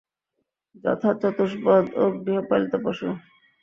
যথা চতুষ্পদ ও গৃহপালিত পশু।